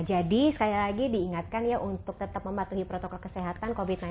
sekali lagi diingatkan ya untuk tetap mematuhi protokol kesehatan covid sembilan belas